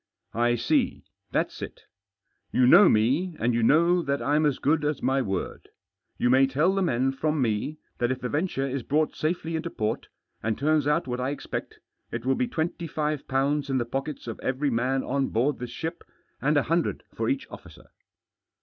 " I see. That's it You know me, and you know that I'm as good as my word. You may tell the men from me that if the venture is brought safely into port, and turns out what I expect, it will be twenty five pounds in the pockets of every man on board this ship, and a hundred for each officer."